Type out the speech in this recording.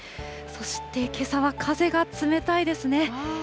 そしてけさは風が冷たいですね。